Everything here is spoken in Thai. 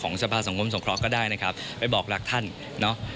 สภาสังคมสงเคราะห์ก็ได้นะครับไปบอกรักท่านเนอะ